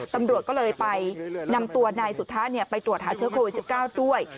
ตำรวจก็เลยไปนำตัวนายสุทัศน์ไปตรวจหาเชื้อโควิด๑๙ด้วย